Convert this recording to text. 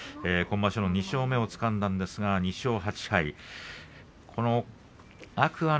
今場所の２勝目をつかんだんですが、２勝８敗です。